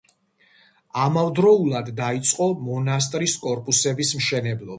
ამავდროულად დაიწყო მონასტრის კორპუსების მშენებლობა.